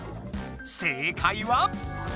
正解は？